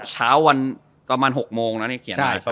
เช้าวันประมาณ๖โมงนะนี่เขียนมาอีกครั้ง